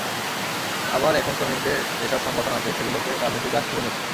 আবার এখন শ্রমিকদের যেসব সংগঠন আছে, সেগুলোকে রাজনীতি গ্রাস করে নিয়েছে।